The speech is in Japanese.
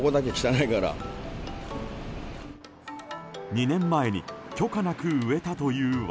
２年前に許可なく植えたという訳。